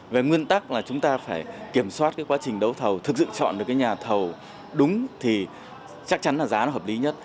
về nguyên tắc là chúng ta phải kiểm soát cái quá trình đấu thầu thực sự chọn được cái nhà thầu đúng thì chắc chắn là giá nó hợp lý nhất